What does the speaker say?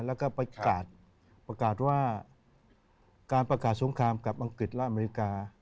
แล้วก็ประกาศว่าการประกาศสงครามกับอังกฤษและอเมริกา